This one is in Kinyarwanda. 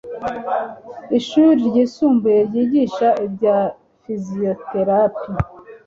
ishuri ryisumbuye ryigisha ibya fiziyoterapi